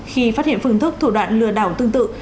khi phát hiện phương thức thủ đoạn lừa đảo tương tự